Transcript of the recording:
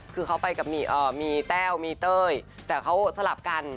คือเขาไปกับมีแต้วมีเต้ยแต่เขาสลับกัน